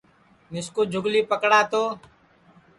مِسکُو جُھولی پکڑا تو